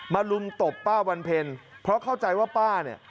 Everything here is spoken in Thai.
ลุมตบป้าวันเพ็ญเพราะเข้าใจว่าป้าเนี่ย